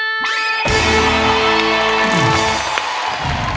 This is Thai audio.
จากเพลงของคุณนพพรเมืองสุทัน